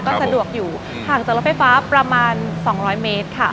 ก็สะดวกอยู่ห่างจากรถไฟฟ้าประมาณ๒๐๐เมตรค่ะ